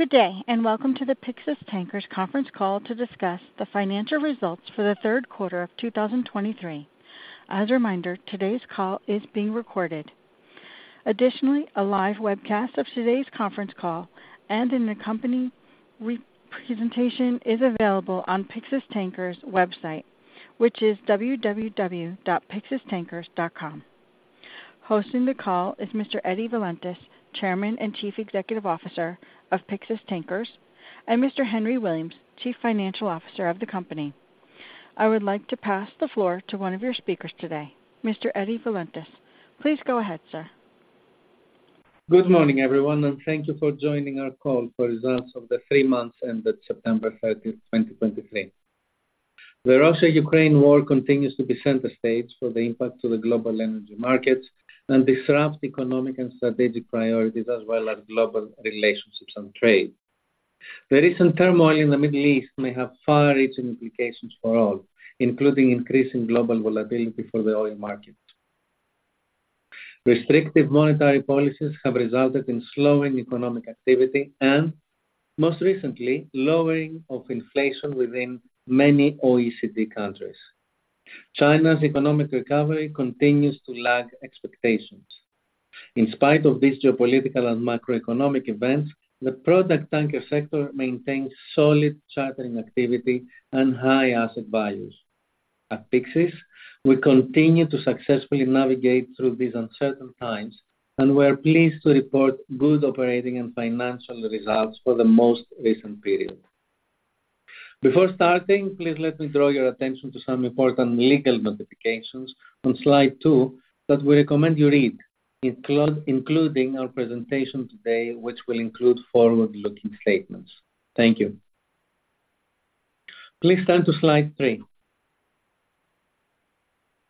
Good day, and welcome to the Pyxis Tankers conference call to discuss the financial results for the third quarter of 2023. As a reminder, today's call is being recorded. Additionally, a live webcast of today's conference call and the company presentation is available on Pyxis Tankers website, which is www.pyxistankers.com. Hosting the call is Mr. Eddie Valentis, Chairman and Chief Executive Officer of Pyxis Tankers, and Mr. Henry Williams, Chief Financial Officer of the company. I would like to pass the floor to one of your speakers today, Mr. Eddie Valentis. Please go ahead, sir. Good morning, everyone, and thank you for joining our call for results of the three months ended September 30th, 2023. The Russia-Ukraine war continues to be center stage for the impact to the global energy markets and disrupt economic and strategic priorities as well as global relationships and trade. The recent turmoil in the Middle East may have far-reaching implications for all, including increasing global volatility for the oil market. Restrictive monetary policies have resulted in slowing economic activity and, most recently, lowering of inflation within many OECD countries. China's economic recovery continues to lag expectations. In spite of these geopolitical and macroeconomic events, the product tanker sector maintains solid chartering activity and high asset values. At Pyxis, we continue to successfully navigate through these uncertain times, and we are pleased to report good operating and financial results for the most recent period. Before starting, please let me draw your attention to some important legal notifications on slide two that we recommend you read, including our presentation today, which will include forward-looking statements. Thank you. Please turn to slide three.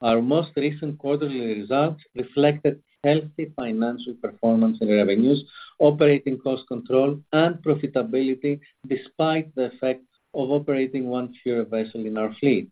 Our most recent quarterly results reflected healthy financial performance and revenues, operating cost control, and profitability despite the effect of operating one fewer vessel in our fleet.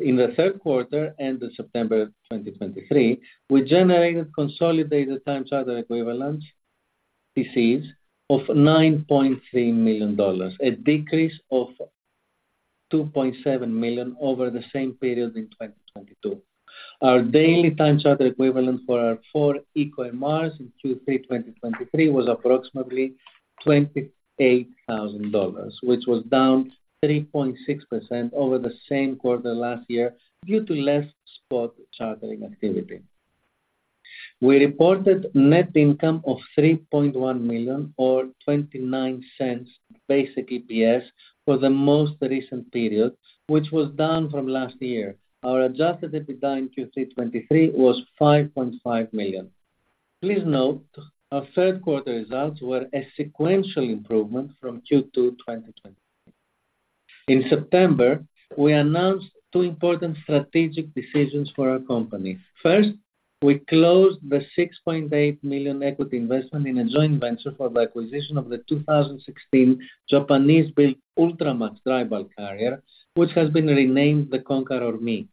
In the third quarter, end of September 2023, we generated consolidated time charter equivalents, TCs, of $9.3 million, a decrease of $2.7 million over the same period in 2022. Our daily time charter equivalent for our four eco MRs in Q3 2023 was approximately $28,000, which was down 3.6% over the same quarter last year due to less spot chartering activity. We reported net income of $3.1 million, or $0.29 basic EPS, for the most recent period, which was down from last year. Our adjusted EBITDA in Q3 2023 was $5.5 million. Please note, our third quarter results were a sequential improvement from Q2 2023. In September, we announced two important strategic decisions for our company. First, we closed the $6.8 million equity investment in a joint venture for the acquisition of the 2016 Japanese-built Ultramax dry bulk carrier, which has been renamed the Konkar Ormi.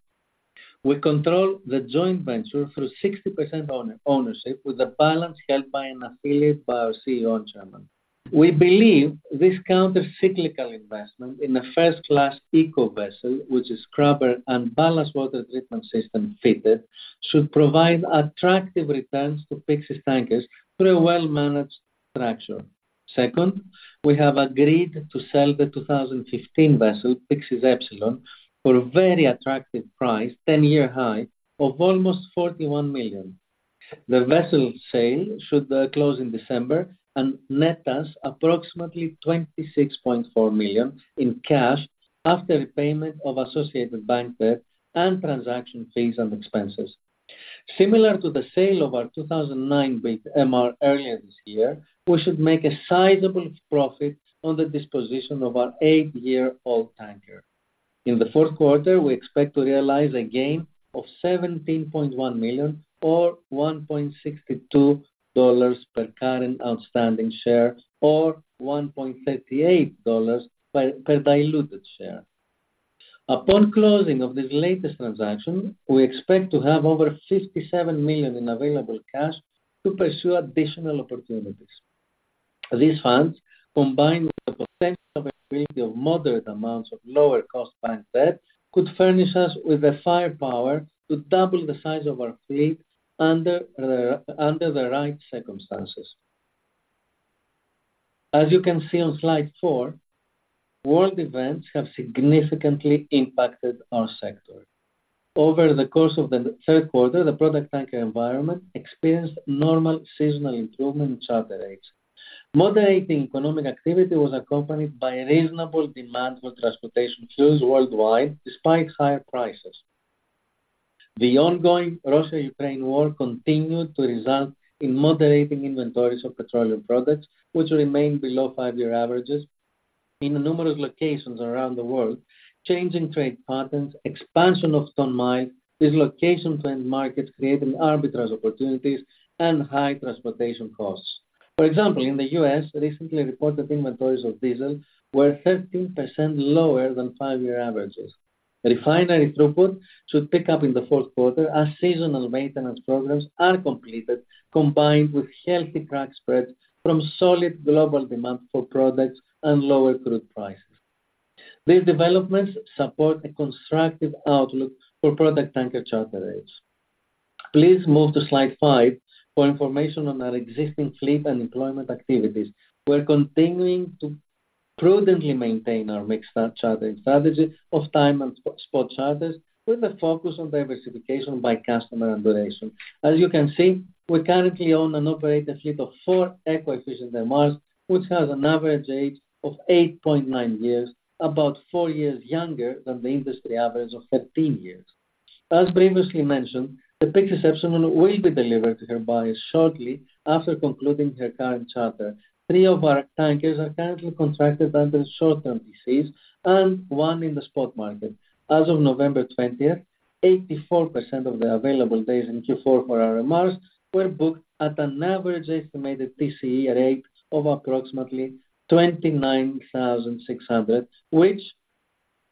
We control the joint venture through 60% ownership, with the balance held by an affiliate of our CEO and chairman. We believe this countercyclical investment in a first-class eco vessel, which is scrubber and ballast water treatment system fitted, should provide attractive returns to Pyxis Tankers through a well-managed structure. Second, we have agreed to sell the 2015 vessel, Pyxis Epsilon, for a very attractive price, ten-year high of almost $41 million. The vessel sale should close in December and net us approximately $26.4 million in cash after repayment of associated bank debt and transaction fees and expenses. Similar to the sale of our 2009-built MR earlier this year, we should make a sizable profit on the disposition of our eight year-old tanker. In the fourth quarter, we expect to realize a gain of $17.1 million, or $1.62 per current outstanding share, or $1.38 per diluted share. Upon closing of this latest transaction, we expect to have over $57 million in available cash to pursue additional opportunities. These funds, combined with the potential of acquiring moderate amounts of lower cost bank debt, could furnish us with the firepower to double the size of our fleet under the right circumstances. As you can see on slide four, world events have significantly impacted our sector. Over the course of the third quarter, the product tanker environment experienced normal seasonal improvement in charter rates. Moderating economic activity was accompanied by reasonable demand for transportation fuels worldwide, despite higher prices. The ongoing Russia-Ukraine war continued to result in moderating inventories of petroleum products, which remain below five year averages. In numerous locations around the world, changing trade patterns, expansion of ton-miles, dislocations in markets creating arbitrage opportunities, and high transportation costs. For example, in the U.S., recently reported inventories of diesel were 13% lower than five year averages.... Refinery throughput should pick up in the fourth quarter as seasonal maintenance programs are completed, combined with healthy crack spreads from solid global demand for products and lower crude prices. These developments support a constructive outlook for product tanker charter rates. Please move to slide five for information on our existing fleet and employment activities. We're continuing to prudently maintain our mixed charter strategy of time and spot charters, with a focus on diversification by customer and duration. As you can see, we currently own and operate a fleet of four eco-efficient MRs, which has an average age of 8.9-years, about four years younger than the industry average of 13 years. As previously mentioned, Pyxis Epsilon will be delivered to her buyer shortly after concluding her current charter. Three of our tankers are currently contracted under short-term TCs and one in the spot market. As of November twentieth, 84% of the available days in Q4 for our MRs were booked at an average estimated TCE rate of approximately $29,600, which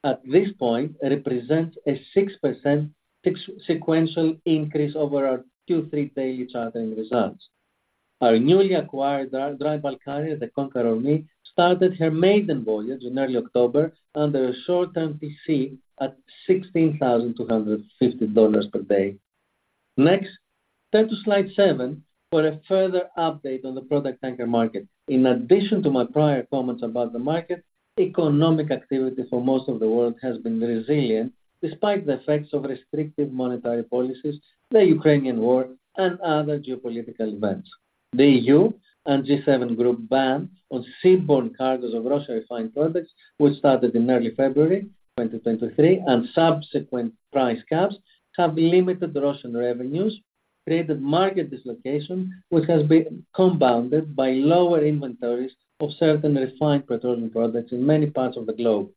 at this point represents a 6% fiscal-sequential increase over our Q3 daily chartering results. Our newly acquired dry bulk carrier, the Konkar Ormi, started her maiden voyage in early October under a short-term TC at $16,250 per day. Next, turn to slide seven for a further update on the product tanker market. In addition to my prior comments about the market, economic activity for most of the world has been resilient despite the effects of restrictive monetary policies, the Ukrainian War and other geopolitical events. The EU and G7 group ban on seaborne cargos of Russian refined products, which started in early February 2023, and subsequent price caps have limited Russian revenues, created market dislocation, which has been compounded by lower inventories of certain refined petroleum products in many parts of the globe.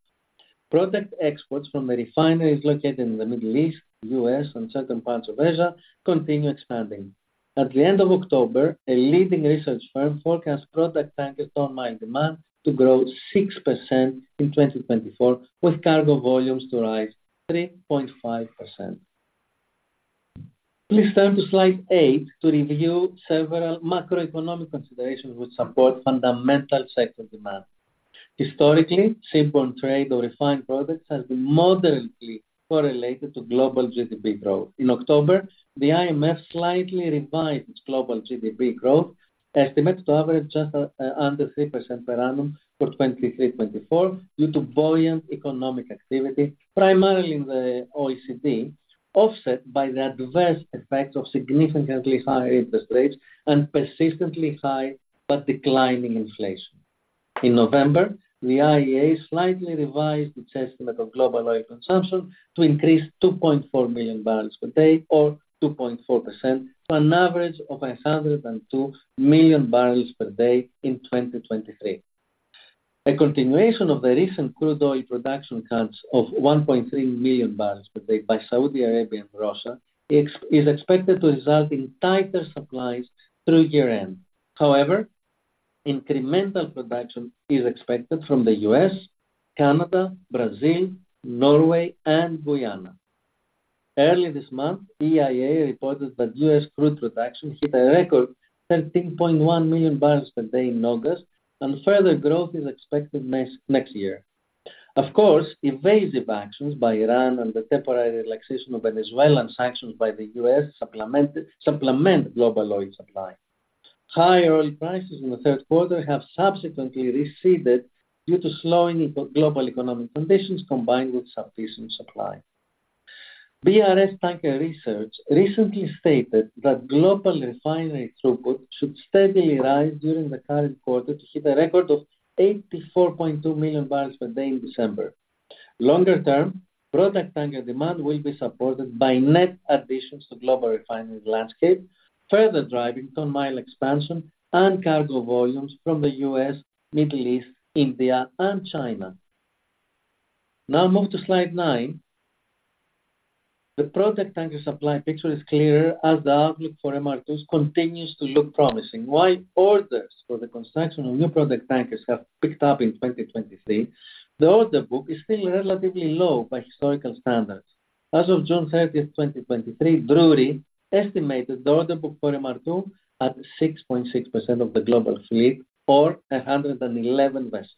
Product exports from the refineries located in the Middle East, U.S. and certain parts of Asia continue expanding. At the end of October, a leading research firm forecast product tanker ton-mile demand to grow 6% in 2024, with cargo volumes to rise 3.5%. Please turn to slide eight to review several macroeconomic considerations which support fundamental sector demand. Historically, seaborne trade or refined products has been moderately correlated to global GDP growth. In October, the IMF slightly revised its global GDP growth estimate to average just under 3% per annum for 2023, 2024, due to buoyant economic activity, primarily in the OECD, offset by the adverse effects of significantly higher interest rates and persistently high but declining inflation. In November, the IEA slightly revised its estimate of global oil consumption to increase 2.4 million barrels per day, or 2.4%, to an average of 102 million barrels per day in 2023. A continuation of the recent crude oil production cuts of 1.3 million barrels per day by Saudi Arabia and Russia is expected to result in tighter supplies through year-end. However, incremental production is expected from the US, Canada, Brazil, Norway and Guyana. Early this month, EIA reported that U.S. crude production hit a record 13.1 million barrels per day in August, and further growth is expected next, next year. Of course, invasive actions by Iran and the temporary relaxation of Venezuelan sanctions by the U.S. supplement global oil supply. Higher oil prices in the third quarter have subsequently receded due to slowing global economic conditions combined with sufficient supply. BRS Tanker Research recently stated that global refinery throughput should steadily rise during the current quarter to hit a record of 84.2 million barrels per day in December. Longer term, product tanker demand will be supported by net additions to global refinery landscape, further driving ton-mile expansion and cargo volumes from the U.S., Middle East, India and China. Now move to slide nine. The product tanker supply picture is clearer as the outlook for MR2 continues to look promising. While orders for the construction of new product tankers have picked up in 2023, the order book is still relatively low by historical standards. As of June 30th, 2023, Drewry estimated the order book for MR2 at 6.6% of the global fleet, or 111 vessels.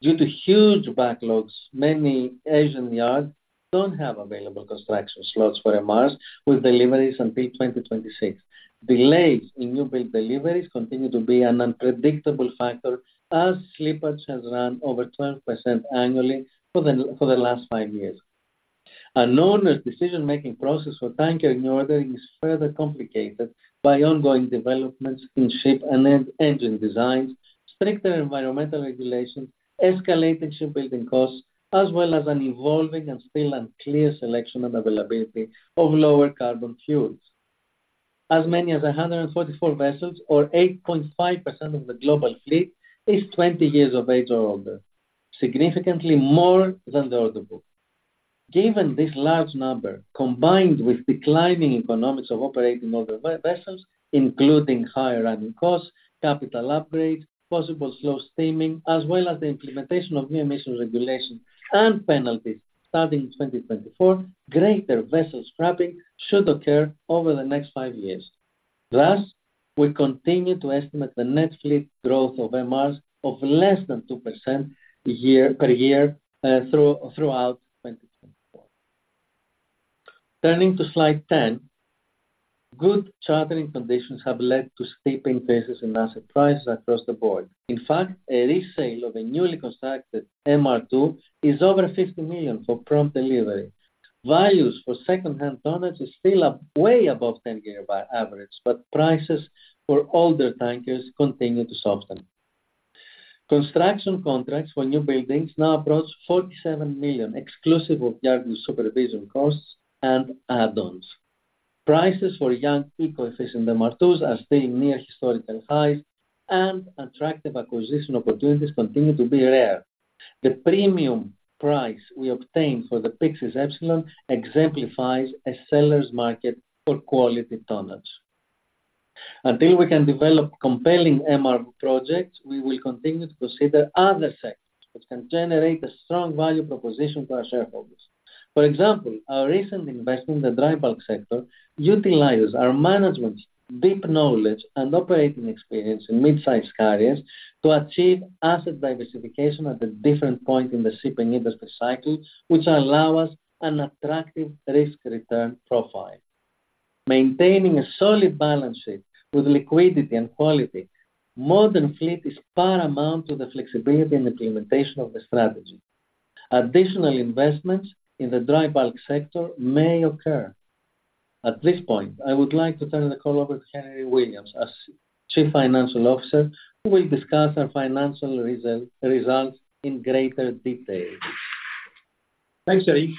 Due to huge backlogs, many Asian yards don't have available construction slots for MRs, with deliveries until 2026. Delays in new build deliveries continue to be an unpredictable factor, as slippage has run over 12% annually for the last five years. Owners' decision-making process for tanker new ordering is further complicated by ongoing developments in ship and engine designs, stricter environmental regulations, escalated shipbuilding costs, as well as an evolving and still unclear selection and availability of lower carbon fuels. As many as 144 vessels, or 8.5% of the global fleet, is 20 years of age or older, significantly more than the order book. Given this large number, combined with declining economics of operating older vessels, including higher running costs, capital upgrades, possible slow steaming, as well as the implementation of new emission regulations and penalties starting in 2024, greater vessel scrapping should occur over the next five years. Thus, we continue to estimate the net fleet growth of MRs of less than 2% a year-per-year, through throughout 2024. Turning to Slide 10, good chartering conditions have led to steep increases in asset prices across the board. In fact, a resale of a newly constructed MR2 is over $50 million for prompt delivery. Values for secondhand tonnage is still up way above 10-year average, but prices for older tankers continue to soften. Construction contracts for new buildings now approach $47 million, exclusive of yard and supervision costs and add-ons. Prices for young eco-efficient MR2s are staying near historical highs, and attractive acquisition opportunities continue to be rare. The premium price we obtained for the Pyxis Epsilon exemplifies a seller's market for quality tonnage. Until we can develop compelling MR projects, we will continue to consider other sectors which can generate a strong value proposition to our shareholders. For example, our recent investment in the dry bulk sector utilizes our management's deep knowledge and operating experience in mid-size carriers to achieve asset diversification at a different point in the shipping industry cycle, which allow us an attractive risk-return profile. Maintaining a solid balance sheet with liquidity and quality, modern fleet is paramount to the flexibility and implementation of the strategy. Additional investments in the dry bulk sector may occur. At this point, I would like to turn the call over to Henry Williams, our Chief Financial Officer, who will discuss our financial results in greater detail. Thanks, Eddie.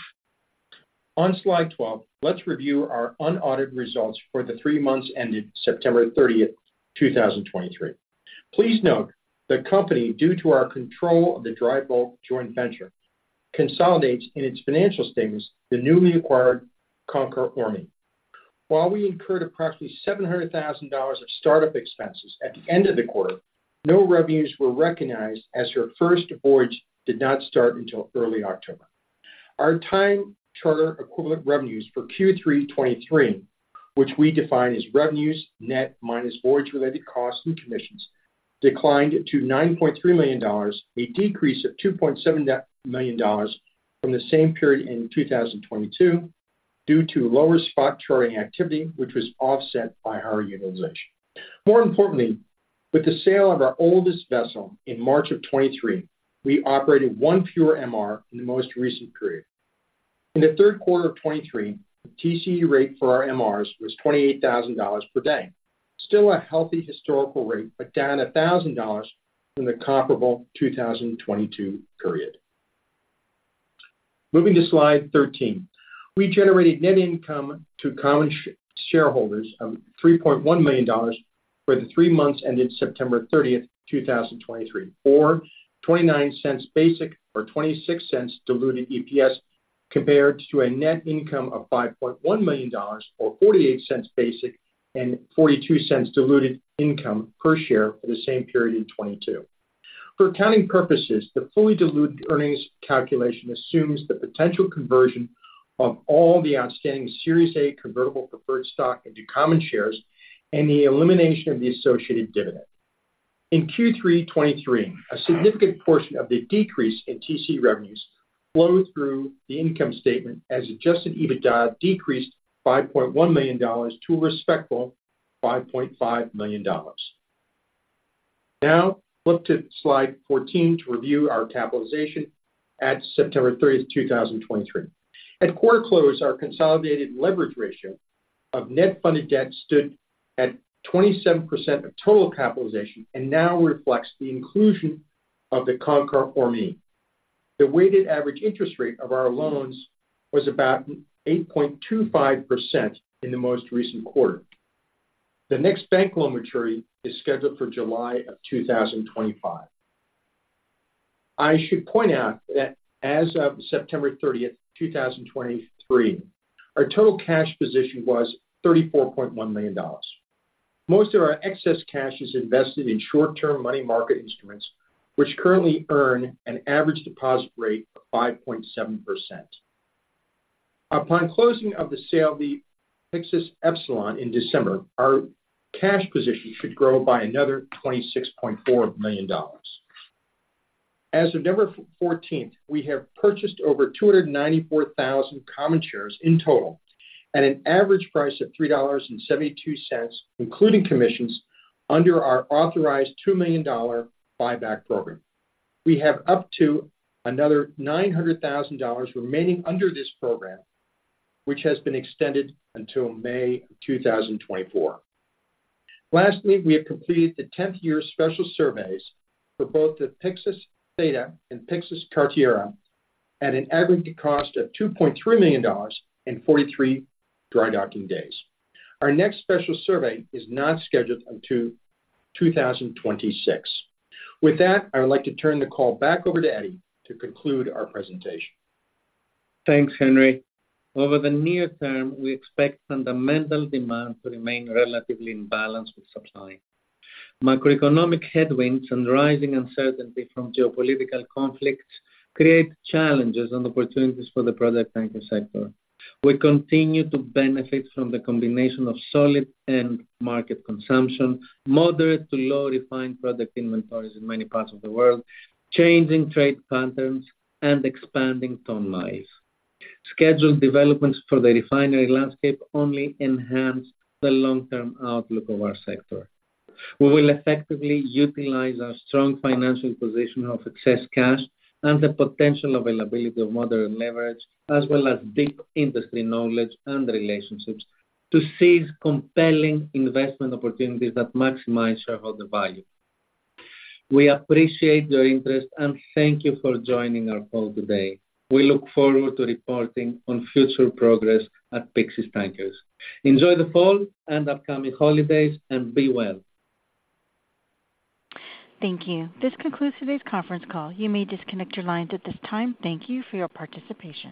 On Slide 12, let's review our unaudited results for the three months ended September 30th, 2023. Please note, the company, due to our control of the dry bulk joint venture, consolidates in its financial statements the newly acquired Konkar Ormi. While we incurred approximately $700,000 of startup expenses at the end of the quarter, no revenues were recognized as her first voyage did not start until early October. Our time charter equivalent revenues for Q3 2023, which we define as revenues net minus voyage-related costs and commissions, declined to $9.3 million, a decrease of $2.7 million from the same period in 2022 due to lower spot trading activity, which was offset by higher utilization. More importantly, with the sale of our oldest vessel in March 2023, we operated one fewer MR in the most recent period. In the third quarter of 2023, the TCE rate for our MRs was $28,000 per day. Still a healthy historical rate, but down $1,000 from the comparable 2022 period. Moving to Slide 13. We generated net income to common shareholders of $3.1 million for the three months ended September 30th, 2023, or $0.29 basic or $0.26 diluted EPS, compared to a net income of $5.1 million, or $0.48 basic and $0.42 diluted income per share for the same period in 2022. For accounting purposes, the fully diluted earnings calculation assumes the potential conversion of all the outstanding Series A convertible preferred stock into common shares and the elimination of the associated dividend. In Q3 2023, a significant portion of the decrease in TC revenues flowed through the income statement as Adjusted EBITDA decreased $5.1 million to a respectable $5.5 million. Now, look to Slide 14 to review our capitalization at September 30th, 2023. At quarter close, our consolidated leverage ratio of net funded debt stood at 27% of total capitalization and now reflects the inclusion of the Konkar Ormi. The weighted average interest rate of our loans was about 8.25% in the most recent quarter. The next bank loan maturity is scheduled for July 2025. I should point out that as of September 30th, 2023, our total cash position was $34.1 million. Most of our excess cash is invested in short-term money market instruments, which currently earn an average deposit rate of 5.7%. Upon closing of the sale of the Pyxis Epsilon in December, our cash position should grow by another $26.4 million. As of November 14th, we have purchased over 294,000 common shares in total, at an average price of $3.72, including commissions, under our authorized $2 million buyback program. We have up to another $900,000 remaining under this program, which has been extended until May 2024. Lastly, we have completed the 10-year Special Surveys for both the Pyxis Theta and Pyxis Karteria, at an aggregate cost of $2.3 million and 43 drydocking days. Our next special survey is not scheduled until 2026. With that, I would like to turn the call back over to Eddie to conclude our presentation. Thanks, Henry. Over the near term, we expect fundamental demand to remain relatively in balance with supply. Microeconomic headwinds and rising uncertainty from geopolitical conflicts create challenges and opportunities for the product tanker sector. We continue to benefit from the combination of solid end market consumption, moderate to low refined product inventories in many parts of the world, changing trade patterns, and expanding ton-miles. Scheduled developments for the refinery landscape only enhance the long-term outlook of our sector. We will effectively utilize our strong financial position of excess cash and the potential availability of moderate leverage, as well as deep industry knowledge and relationships to seize compelling investment opportunities that maximize shareholder value. We appreciate your interest, and thank you for joining our call today. We look forward to reporting on future progress at Pyxis Tankers. Enjoy the fall and upcoming holidays, and be well. Thank you. This concludes today's conference call. You may disconnect your lines at this time. Thank you for your participation.